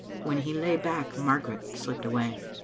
When he lay back Margaret slipped away.